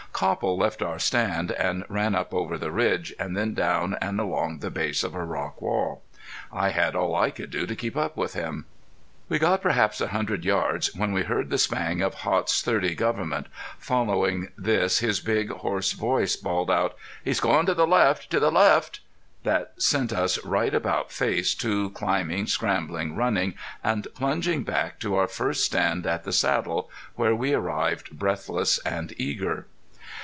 Copple left our stand and ran up over the ridge, and then down under and along the base of a rock wall. I had all I could do to keep up with him. We got perhaps a hundred yards when we heard the spang of Haught's.30 Gov't. Following this his big, hoarse voice bawled out: "He's goin' to the left to the left!" That sent us right about face, to climbing, scrambling, running and plunging back to our first stand at the saddle, where we arrived breathless and eager.